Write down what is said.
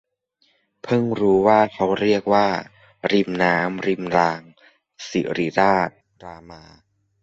เพิ่งรู้ว่าเขาเรียกว่า ริมน้ำ - ริมราง ศิริราช - รามา